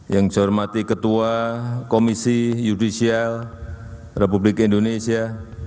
yang saya hormati ketua komisi yudisial republik indonesia